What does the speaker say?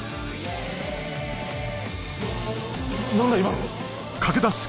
何だ今の。